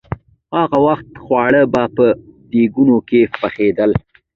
د هغه وخت خواړه به په دېګونو کې پخېدل.